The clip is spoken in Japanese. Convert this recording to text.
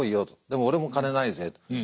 でも俺も金ないぜ。